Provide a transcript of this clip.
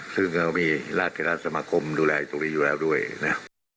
ซึ่งเราก็มีราชกระดาษสมะคมดูแลอยู่แล้วด้วยนะ